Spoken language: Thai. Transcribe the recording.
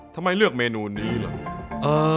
ทำไมเลือกเมนูนี้ล่ะ